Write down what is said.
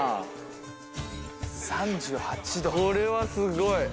これはすごい。